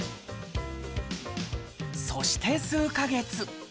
そして、数か月。